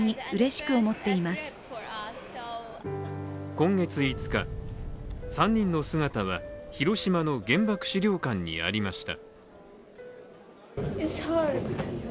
今月５日、３人の姿は広島の原爆資料館にありました。